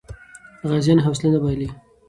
غازیانو حوصله نه بایله.